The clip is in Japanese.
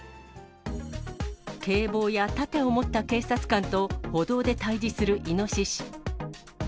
警棒や盾を持った警察官と、歩道で対じするイノシシ。